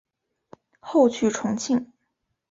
后去重庆。